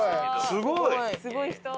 すごい人！